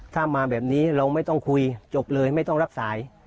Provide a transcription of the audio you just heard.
ถ้ามาแบบนี้เราไม่ต้องคุยจบเลยไม่ต้องรับสาย